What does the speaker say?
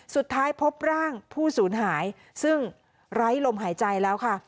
สุดท้ายพบร่างผู้สูญหายซึ่งไร้ลมหายใจแล้วค่ะ